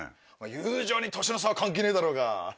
友情に年の差は関係ねえだろうが。